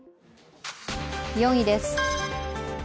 ４位です。